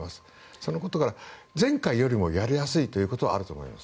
そのことが前回よりもやりやすいことはあると思います。